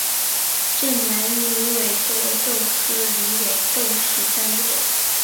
滇南狸尾豆为豆科狸尾豆属下的一个种。